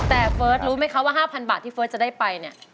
แต่เฟิร์สรู้ไหมคะว่า๕๐๐บาทที่เฟิร์สจะได้ไปเนี่ย